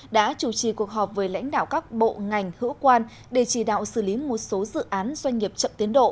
đã chủ trì cuộc họp với lãnh đạo các bộ ngành hữu quan để chỉ đạo xử lý một số dự án doanh nghiệp chậm tiến độ